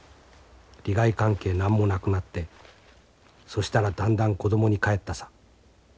利害関係何もなくなってそしたらだんだん子供に返ったさ。